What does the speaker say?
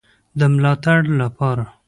د ملاتړ لپاره